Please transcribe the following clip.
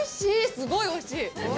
すごいおいしい。